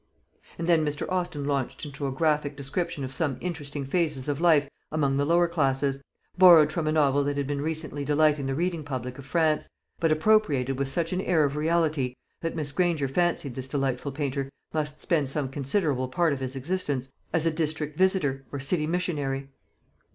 And then Mr. Austin launched into a graphic description of some interesting phases of life among the lower classes, borrowed from a novel that had been recently delighting the reading public of France, but appropriated with such an air of reality, that Miss Granger fancied this delightful painter must spend some considerable part of his existence as a district visitor or city missionary.